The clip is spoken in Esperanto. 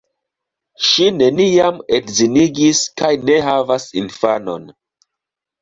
Ŝi neniam edzinigis kaj ne havas infanon.